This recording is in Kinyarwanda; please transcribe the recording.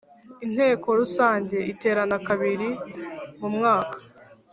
Inteko Rusange iterana kabirimu mwaka